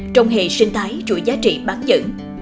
trong hệ sinh thái chuỗi giá trị bán dẫn